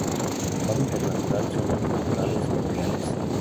Su hábitat natural son los matorrales boreales.